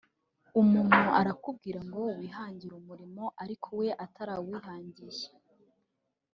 Umuntu arakubwira ngo wihangire umurimo ariko we atarawihangiye